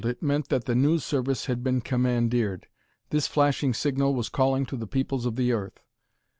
It meant that the News Service had been commandeered. This flashing signal was calling to the peoples of the earth!